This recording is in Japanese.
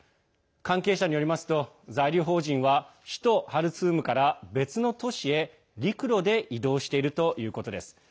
関係者によりますと在留邦人は、首都ハルツームから別の都市へ陸路で移動しているということです。